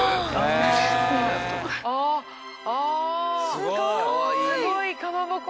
すごいかまぼこ。